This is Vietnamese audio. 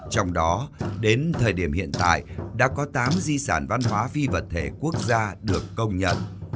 trong đó đến thời điểm hiện tại đã có tám di sản văn hóa phi vật thể quốc gia được công nhận